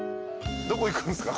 どこ行くんすか？